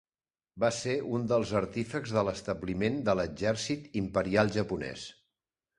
Va ser un dels artífexs de l'establiment de l'exèrcit imperial japonès.